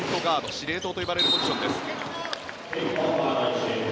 司令塔と呼ばれるポジションです。